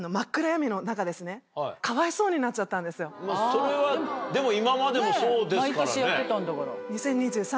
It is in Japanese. それはでも今までもそうですからね。